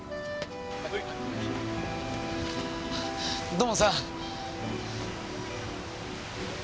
土門さん。